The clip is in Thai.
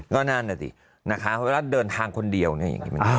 ก็นั่นอะสินะคะเวลาเดินทางคนเดียวเนี่ย